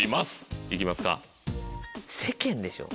行きますか。